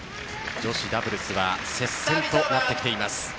女子ダブルスは接戦となってきています。